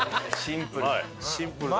シンプル。